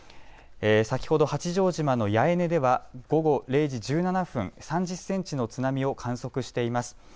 先ほど八丈島の八重根では午後０時１７分３０センチの津波を観測しています。